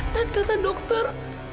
dan kata dokter